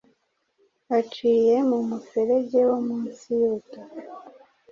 aciye mu muferege wo munsi y’ubutaka